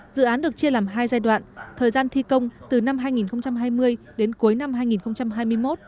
dự án được chia làm hai giai đoạn thời gian thi công từ năm hai nghìn hai mươi đến cuối năm hai nghìn hai mươi một